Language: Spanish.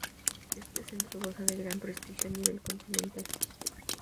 Este centro goza de gran prestigio a nivel continental.